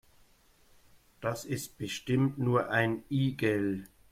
Das ist bestimmt nur ein Igel.